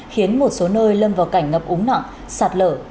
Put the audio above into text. khiến một số nơi lâm vào cảnh ngập úng nặng sạt lở